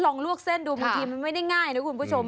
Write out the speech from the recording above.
ลวกเส้นดูบางทีมันไม่ได้ง่ายนะคุณผู้ชม